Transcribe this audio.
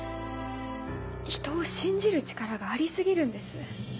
人を信じる力があり過ぎるんです。